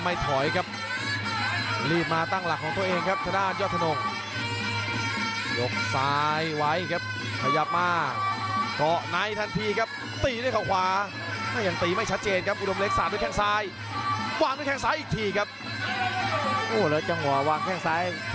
โยกมาขยับหูเจอซ้ายหน้าของอาวเลยครับ